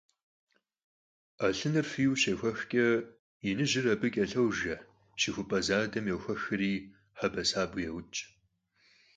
'elhınır fiyue şêxuexç'e yinıjri abı ç'elhojje, şıxup'e zadem yoxuexri hebesabeu yêuç'.